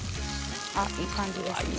いい感じですね。